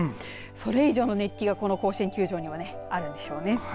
それ以上の熱気がこの甲子園球場にはあるんでしょうね。